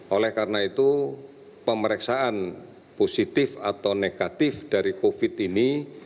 oleh karena itu pemeriksaan positif atau negatif dari covid ini